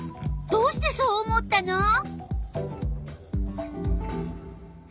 どうしてそう思ったの？